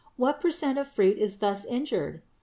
What per cent of fruit is thus injured?